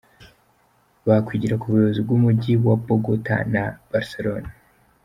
Bakwigira ku buyobozi bw’umujyi wa Bogota na Barcelona.